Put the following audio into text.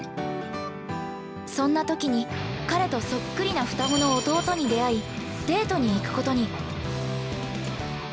そんなときに、彼とそっくりな双子の弟に出会いデートに行くことに。